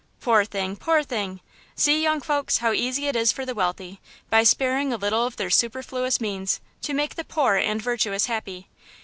"Poor thing! poor thing! See, young folks, how easy it is for the wealthy, by sparing a little of their superfluous means, to make the poor and virtuous happy!